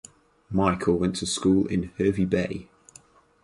Michael went to school in Hervey Bay.